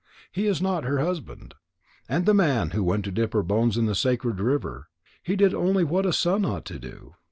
He is not her husband. And the man who went to dip her bones in the sacred river, he did only what a son ought to do.